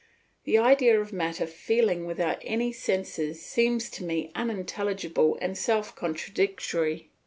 The idea of matter feeling without any senses seems to me unintelligible and self contradictory.